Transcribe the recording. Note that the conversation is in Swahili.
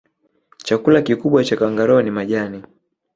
chakula kikubwa cha kangaroo ni majani